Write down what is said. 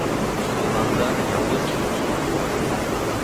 Йыландар яуыз бит.